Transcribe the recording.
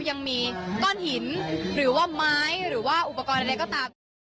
ยังมีก้อนหินหรือว่าไม้หรือว่าอุปกรณ์อะไรก็ตามนะคะ